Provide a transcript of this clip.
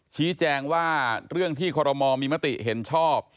ชี้แจงว่าเรื่องที่คอรมอลมีมติเห็นชอบ